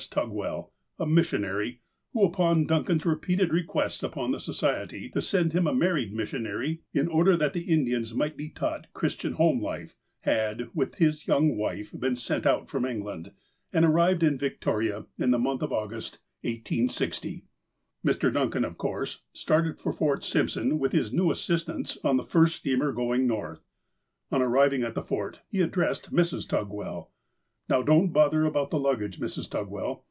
Tugwell, a missionary, who, upon Duncan's repeated requests u^Don the Society, to send him a married missionary, in order that the In dians might be taught Christian home life, had, with his young wife, been sent out from England, and arrived in Victoria in the month of August, 1860. Mr. Duncau, of course, started for Fort Simpson with his new assistants on the first steamer going north. On arriving at the Fort, he addressed Mrs. Tugwell :" Now, don't bother about the luggage, Mrs. Tugwell